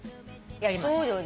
やりますよ。